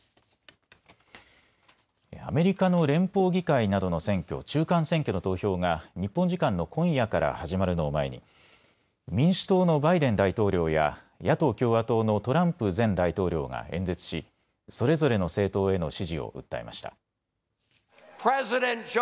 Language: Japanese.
アメリカの連邦議会などの選挙、中間選挙の投票が日本時間の今夜から始まるのを前に民主党のバイデン大統領や野党共和党のトランプ前大統領が演説し、それぞれの政党への支持を訴えました。